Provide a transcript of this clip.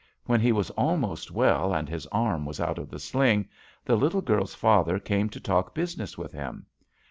When he was almost well and his arm was out of the sling, the little girl's father came to talk business with him.